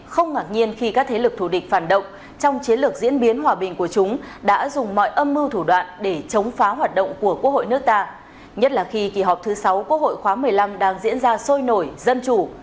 không ngạc nhiên khi các thế lực thù địch phản động trong chiến lược diễn biến hòa bình của chúng đã dùng mọi âm mưu thủ đoạn để chống phá hoạt động của quốc hội nước ta nhất là khi kỳ họp thứ sáu quốc hội khóa một mươi năm đang diễn ra sôi nổi dân chủ